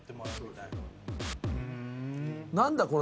何だ？